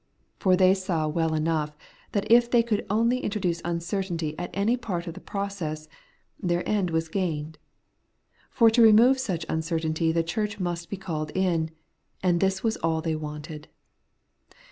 For they saw well enough, that if they could only intro duce uncertainty at any part of the process, their end was gained. For to remove such uncertainty the Church must be called in; and this was all they wanted.